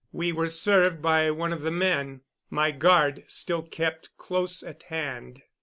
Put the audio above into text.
We were served by one of the men. My guard still kept close at hand.